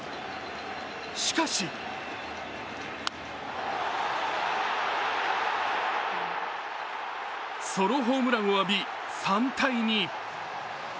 しかしソロホームランを浴び３−２。